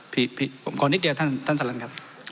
พี่ผมขอนิดเดียวท่านสลังครับ